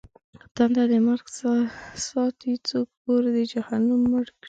تنده د مرگ څه ساتې؟! څوک اور د جهنم مړ کړي؟!